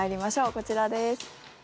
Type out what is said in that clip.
こちらです。